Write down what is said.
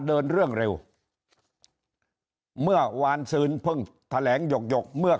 เดินเรื่องเร็วเมื่อวานซืนเพิ่งแถลงหยกหยกเมื่อ